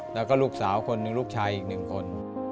แล้วก็ลูกสาว๑ลูกชายอีก๑คน